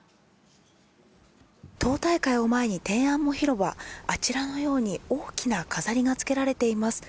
党大会を前に天安門広場、あちらのように大きな飾りが付けられています。